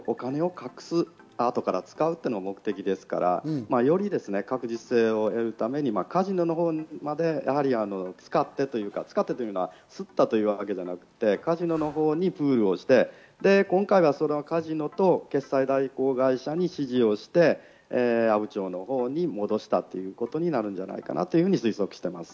お金を隠す、後から使うというのが目的ですから、より確実性を得るためにカジノのほうまで使ってというか、すったというわけではなくて、カジノのほうにプールをして、今回はそのカジノと決済代行業者に指示をして阿武町のほうに戻したということになるんじゃないかなと推測しています。